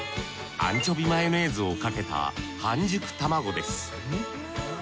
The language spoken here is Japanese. アンチョビマヨネーズをかけた半熟卵です